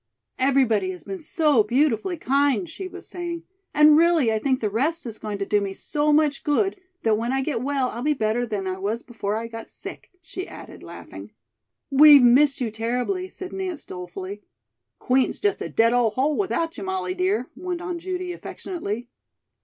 "Everybody has been so beautifully kind," she was saying, "and really, I think the rest is going to do me so much good, that when I get well I'll be better than I was before I got sick," she added, laughing. "We've missed you terribly," said Nance dolefully. "Queen's just a dead old hole without you, Molly, dear," went on Judy affectionately.